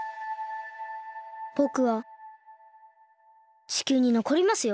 ぼくは地球にのこりますよ。